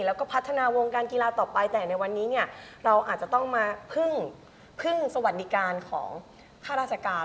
แล้วก็พัฒนาวงการกีฬาต่อไปแต่ในวันนี้เนี่ยเราอาจจะต้องมาพึ่งสวัสดิการของค่าราชการ